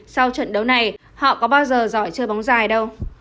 sau trận đấu này họ có bao giờ giỏi chơi bóng dài đâu